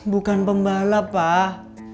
bukan pembalap pak